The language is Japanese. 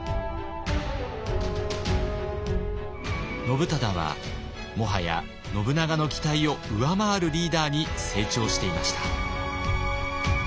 信忠はもはや信長の期待を上回るリーダーに成長していました。